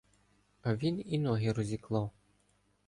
А він і ноги розіклав!